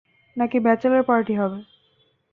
নাকি bachelor party হবে?